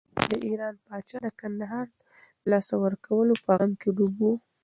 د ایران پاچا د کندهار د لاسه ورکولو په غم کې ډوب و.